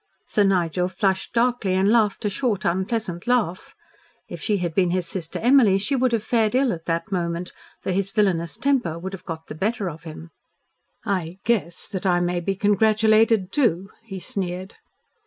Sir Nigel flushed darkly and laughed a short, unpleasant laugh. If she had been his sister Emily she would have fared ill at the moment, for his villainous temper would have got the better of him. "I 'guess' that I may be congratulated too," he sneered.